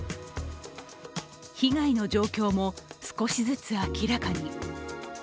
被害の状況も少しずつ明らかに。